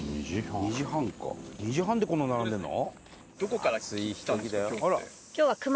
２時半か２時半でこんな並んでるの？